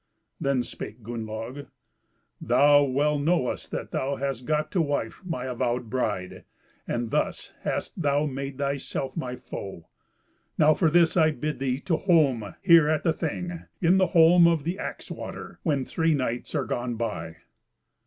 Then spake Gunnlaug, "Thou well knowest that thou hast got to wife my avowed bride, and thus hast thou made thyself my foe. Now for this I bid thee to holm here at the Thing, in the holm of the Axe water, when three nights are gone by."